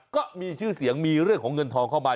ก็มีชื่อเสียงมีเรื่องของเงินทองเข้ามา